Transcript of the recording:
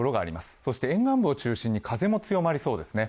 そして、沿岸部を中心に風も強まりそうですね。